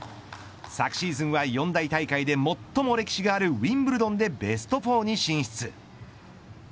昨シーズンは四大大会で最も歴史があるウィンブルドンでベスト４に進出。